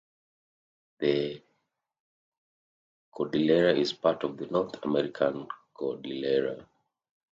This cordillera is part of the North American Cordillera.